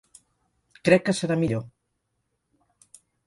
Crec que serà millor.